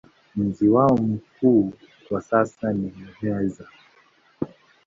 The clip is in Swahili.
Mji wao mkuu kwa sasa ni Muheza.